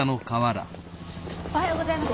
おはようございます。